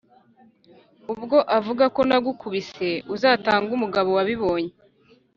ubwo uvuga ko nagukubise uzatange umugabo wabibonye